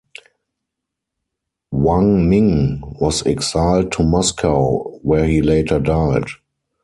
Wang Ming was exiled to Moscow where he later died.